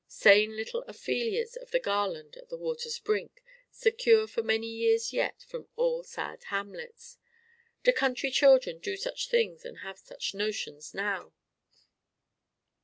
Sane little Ophelias of the garland at the water's brink secure for many years yet from all sad Hamlets! Do country children do such things and have such notions now?